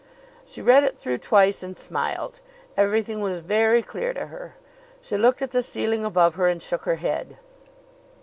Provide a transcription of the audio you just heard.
She read it through twice and smiled. Everything was very clear to her. She looked at the ceiling above her and shook her head.